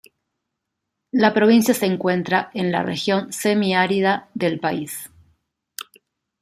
La provincia se encuentra en la región semiárida del país.